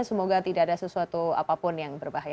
semoga tidak ada sesuatu apapun yang berbahaya